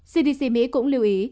cdc mỹ cũng lưu ý